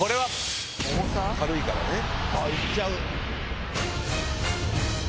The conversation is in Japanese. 軽いからね。行っちゃう。